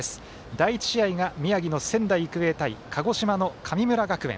第１試合が宮城の仙台育英対鹿児島の神村学園。